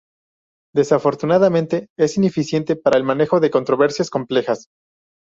Desafortunadamente, es ineficiente para el manejo de controversias complejas.